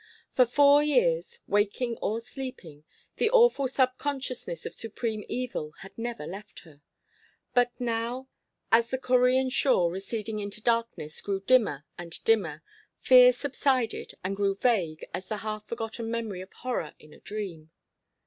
For four years, waking or sleeping, the awful subconsciousness of supreme evil had never left her. But now, as the Korean shore, receding into darkness, grew dimmer and dimmer, fear subsided and grew vague as the half forgotten memory of horror in a dream.